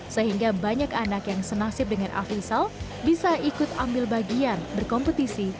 sehingga banyak anak yang senasib dengan afisal bisa ikut ambil bagian berkompetisi